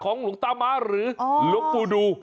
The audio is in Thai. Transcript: ของหลุงตาม้าหรือหลุงปุดุ